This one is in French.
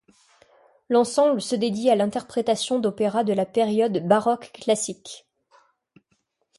L'ensemble se dédie à l'interprétation d'opéras de la période baroque et classique.